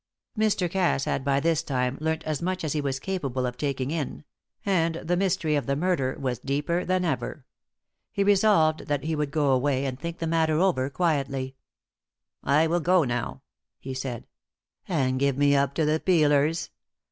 Mr. Cass had by this time learnt as much as he was capable of taking in; and the mystery of the murder was deeper than ever. He resolved that he would go away and think the matter over quietly. "I will go now," he said. "And give me up to the peelers?"